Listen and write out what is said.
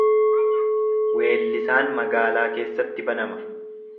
Weellisaan magaalaa keessatti banama.